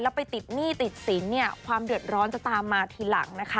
แล้วไปติดหนี้ติดสินเนี่ยความเดือดร้อนจะตามมาทีหลังนะคะ